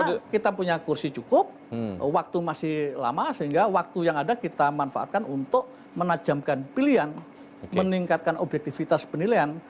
kalau kita punya kursi cukup waktu masih lama sehingga waktu yang ada kita manfaatkan untuk menajamkan pilihan meningkatkan objektivitas penilaian